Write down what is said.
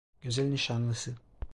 Güzel nişanlısı…